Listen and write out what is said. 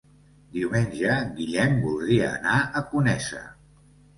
Diumenge en Guillem voldria anar a Conesa.